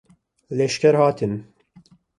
Leşker hatin.